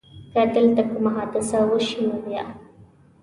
که دلته کومه حادثه وشي نو بیا؟